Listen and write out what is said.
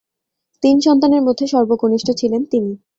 তিন সন্তানের মধ্যে সর্বকনিষ্ঠ ছিলেন তিনি।